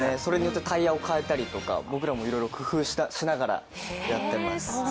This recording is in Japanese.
それによってタイヤを代えたり僕らもいろいろ工夫しながらやってます。